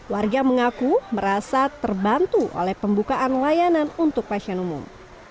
warga mengaku merasa terbantu oleh pembukaan layanan untuk pasien umum